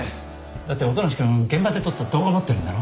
だって音無君現場で撮った動画持ってるんだろ？